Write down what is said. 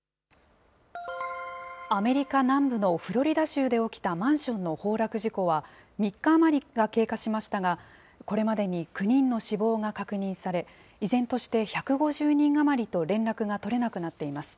アメリカ南部のフロリダ州で起きたマンションの崩落事故は、３日余りが経過しましたが、これまでに９人の死亡が確認され、依然として１５０人余りと連絡が取れなくなっています。